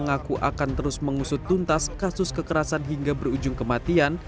mengaku akan terus mengusut tuntas kasus kekerasan hingga berujung kematian